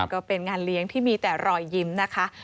ก็เป็นงานเลี้ยงที่มีแต่รอยยิ้มนะคะ